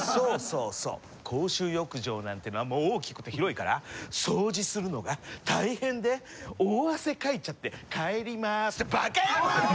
公衆浴場なんていうのはもう大きくて広いから掃除するのが大変で大汗かいちゃって帰りますってばか野郎！